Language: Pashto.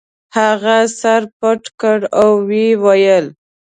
هغه سر پټ کړ او ویې ویل.